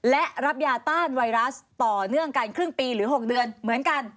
และรับยาต้านไวรัสต่อเนื่องกันครึ่งปีหรือ๖เดือนเหมือนกัน